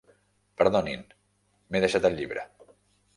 Perdonin, m'he deixat el llibre.